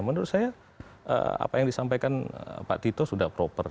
menurut saya apa yang disampaikan pak tito sudah proper